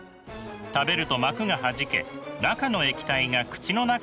食べると膜がはじけ中の液体が口の中で広がります。